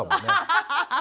アハハハハ！